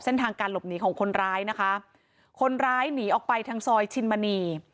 เส้นทางการหลบหนีของคนร้ายนะคะคนร้ายหนีออกไปทางซอยชินมณี